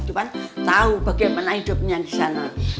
cuma tahu bagaimana hidupnya di sana